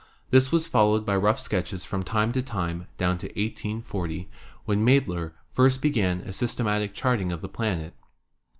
This was followed by rough sketches from time to time down to 1840, when Maedler first began a systematic charting of the planet.